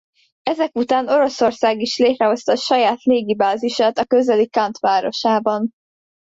Ezek után Oroszország is létrehozta saját légibázisát a közeli Kant városában.